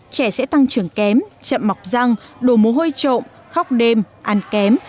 trẻ sẽ tăng trưởng kém chậm mọc răng đổ mồ hôi trộm khóc đêm ăn kém